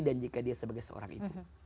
dan jika dia sebagai seorang itu